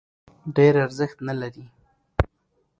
ډېر ارزښت نه لري.